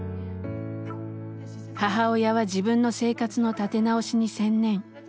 母親は自分の生活の立て直しに専念。